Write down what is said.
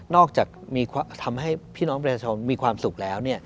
จากทำให้พี่น้องประชาชนมีความสุขแล้ว